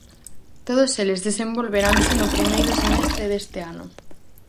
Todos eles desenvolveranse no primeiro semestre deste ano.